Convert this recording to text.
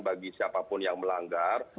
bagi siapapun yang melanggar